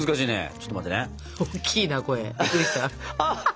ちょっと待って。